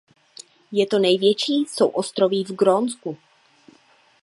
Je to největší souostroví v Grónsku.